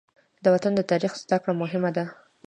د وطن د تاریخ زده کړه مهمه ده.